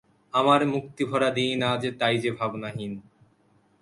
আমার মুক্তিভরা দিন আজ তাই যে ভাবনাহীন।